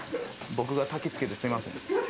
僕がたきつけてすいません